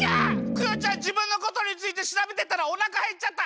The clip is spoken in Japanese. クヨちゃんじぶんのことについてしらべてたらおなかへっちゃった！